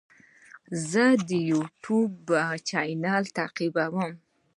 زه د یوټیوب چینل تعقیبوم.